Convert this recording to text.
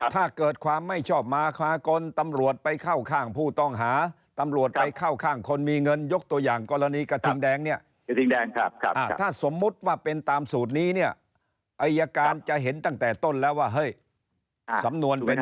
ถ้าเกิดความไม่ชอบมากขา